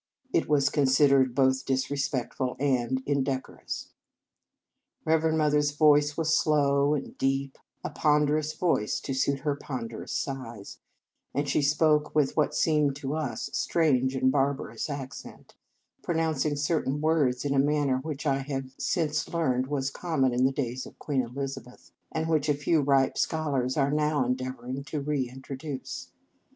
It was considered 190 Reverend Mother s Feast both disrespectful and indecorous. Reverend Mother s voice was slow and deep, a ponderous voice to suit her ponderous size; and she spoke with what seemed to us a strange and barbarous accent, pronouncing cer tain words in a manner which I have since learned was common in the days of Queen Elizabeth, and which a few ripe scholars are now en deavouring to reintroduce.